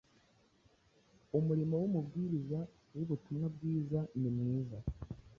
Umurimo w’umubwiriza w’ubutumwa bwiza ni mwiza